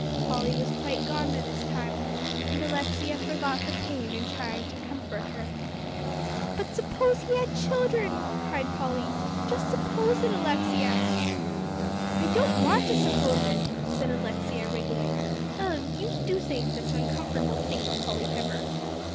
Polly was quite gone by this time, and Alexia forgot her pain in trying to comfort her. "But suppose he had children," cried Polly, "just suppose it, Alexia." "I don't want to suppose it," said Alexia, wriggling. "Ugh! you do say such uncomfortable things, Polly Pepper."